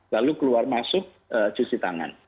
lalu keluar masuk cuci tangan